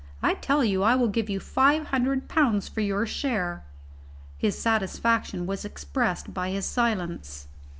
I tell you I will give you five hundred pounds for your share." His satisfaction was expressed by his silence.